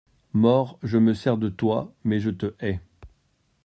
Mort, je me sers de toi, mais je te hais.